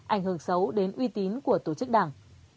ảnh hưởng xấu đến uy tín của tổ chức đảng